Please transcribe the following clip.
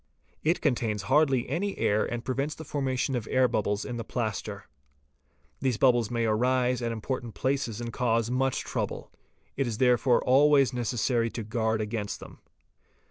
It contains hardly any air and prevents the formation of air bubbles in the plaster ®, These bubbles may arise at important places and cause much trouble. It is therefore always necessary to guard against them.